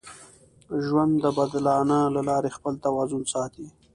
ژوند د بدلانه له لارې خپل توازن ساتي.